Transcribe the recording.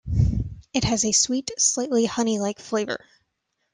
It has a sweet, slightly honey-like flavour.